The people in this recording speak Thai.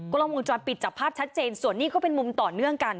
กล้องวงจรปิดจับภาพชัดเจนส่วนนี้ก็เป็นมุมต่อเนื่องกัน